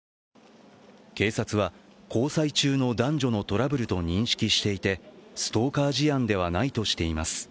警察は交際中の男女のトラブルと認識していてストーカー事案ではないとしています。